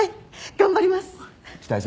頑張ります！